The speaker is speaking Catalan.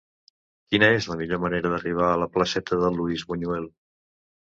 Quina és la millor manera d'arribar a la placeta de Luis Buñuel?